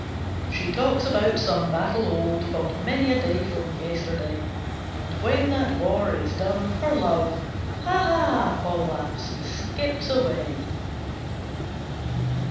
She talks about some battle old, Fought many a day from yesterday; And when that war is done, her love "Ha, ha!" Poll laughs, and skips away.